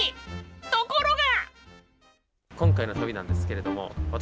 ところが。